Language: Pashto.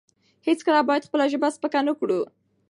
هیڅکله باید خپله ژبه سپکه نه کړو.